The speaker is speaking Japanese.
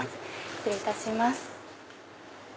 失礼いたします。